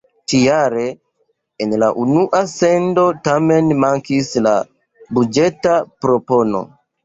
Ĉi-jare en la unua sendo tamen mankis la buĝeta propono.